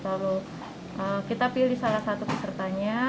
lalu kita pilih salah satu pesertanya